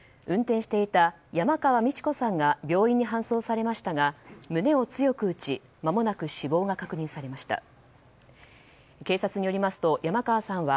運転していた山川美智子さんが病院に搬送されましたが胸を強く打ちまもなく死亡が確認されました。